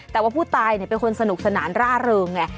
แต่ว่าผู้ตายเป็นคนสนุกสนานร่าเริงไง